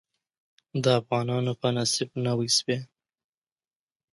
د افغانانو په نصيب نوى شوې.